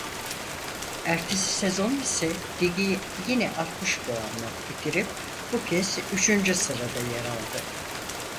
Ertesi sezon ise ligi yine altmış puanla bitirip bu kez üçüncü sırada yer aldı.